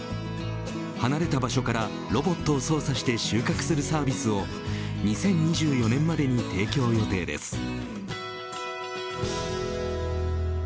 離れた場所からロボットを操作して収穫するサービスを２０２４年までに提供予定です。